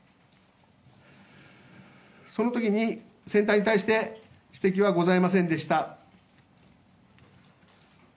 その時に船体に対して指摘はございませんでした。